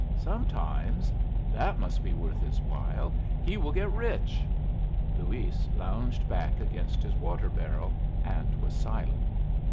"Sometimes! That must be worth his while! He will get rich!" Luis lounged back against his water barrel, and was silent.